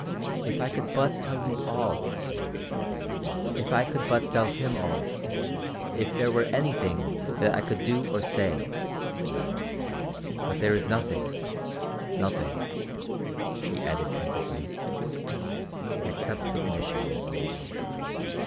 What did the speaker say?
If I could but tell you all. If I could but tell him all, if there were anything that I could do or say, but there is nothing, nothing," she added pensively, "except submission."